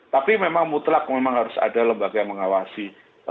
tapi memang mutlak memang harus ada lembaga yang mengawasi